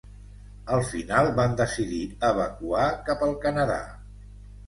Al final van decidir evacuar cap al Canadà.